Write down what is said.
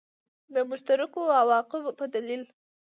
د مشترکو عواقبو په دلیل.